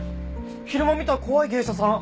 昼間見た怖い芸者さん。